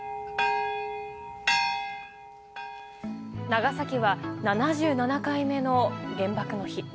長崎は７７回目の原爆の日。